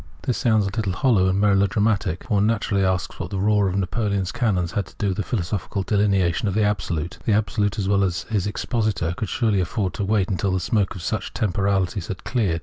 This sounds a Uttle hollow and melodramatic. For one naturally asks what the roar of Napoleon's cannon had to do with the philosophical delineation of the Absolute. The Absolute, as well as his expositor, could surely afford to wait till the smoke of such temporalities had cleared.